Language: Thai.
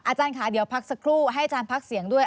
อาจารย์ค่ะเดี๋ยวพักสักครู่ให้อาจารย์พักเสียงด้วย